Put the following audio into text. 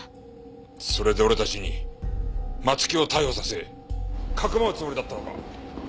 それで俺たちに松木を逮捕させかくまうつもりだったのか！